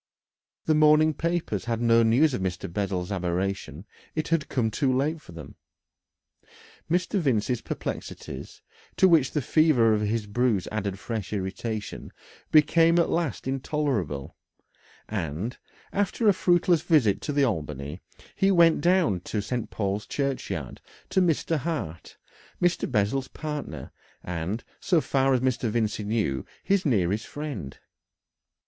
The morning papers had no news of Mr. Bessel's aberration it had come too late for them. Mr. Vincey's perplexities, to which the fever of his bruise added fresh irritation, became at last intolerable, and, after a fruitless visit to the Albany, he went down to St. Paul's Churchyard to Mr. Hart, Mr. Bessel's partner, and, so far as Mr. Vincey knew, his nearest friend.